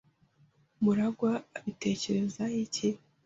Murangwa abitekerezaho iki?